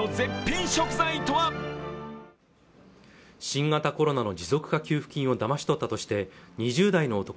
新型コロナの持続化給付金をだまし取ったとして２０代の男